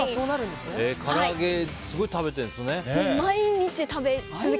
から揚げすごい食べてるんですね。